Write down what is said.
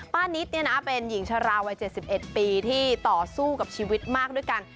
นิดเป็นหญิงชะลาวัย๗๑ปีที่ต่อสู้กับชีวิตมากด้วยกัน